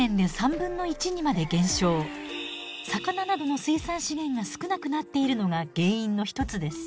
魚などの水産資源が少なくなっているのが原因の一つです。